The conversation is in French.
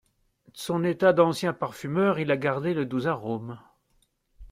D’ son état d’ancien parfumeur Il a gardé le doux arome !